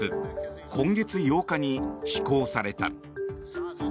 今月８日に施行された。